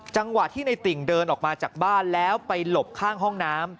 จังหวะที่ในติ่งเดินออกมาจากบ้านแล้วไปหลบข้างห้องน้ำ